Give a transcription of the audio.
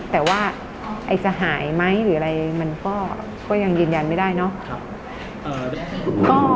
แต่ว่าจะหายไหมหรืออะไรมันก็ยังยืนยันไม่ได้เนาะ